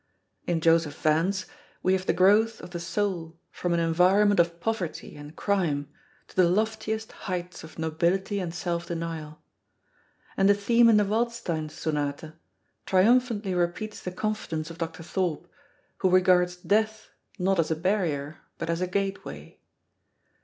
In Joseph Vance we have the growth of the soul from an environment of poverty and crime to the loftiest heights of nobility and self denial; and the theme in the Waldstein Sonata triumphantly repeats the confidence of Dr. Thorpe, who regards death not as a barrier, but as a gateway.